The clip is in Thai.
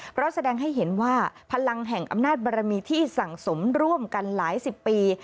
เพราะแสดงให้เห็นว่าพลังแห่งอำนาจบารมีที่สั่งสมร่วมกันหลายสิบปี